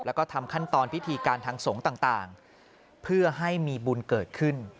แล้วก็ทำขั้นตอนพิธีการทางสงฆ์ต่างเพื่อให้มีบุญเกิดขึ้น